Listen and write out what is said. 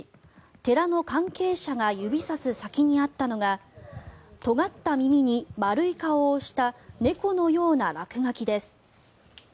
寺の関係者が指さす先にあったのがとがった耳に丸い顔をした猫のような落書きです。